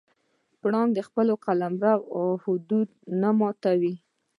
پړانګ د خپل قلمرو حدود نه ماتوي.